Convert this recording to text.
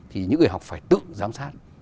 thì những người học phải tự giám sát